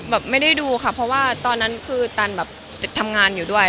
แบบไม่ได้ดูค่ะเพราะว่าตอนนั้นคือตันแบบทำงานอยู่ด้วย